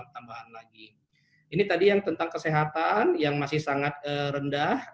tambahan lagi ini tadi yang tentang kesehatan yang masih sangat rendah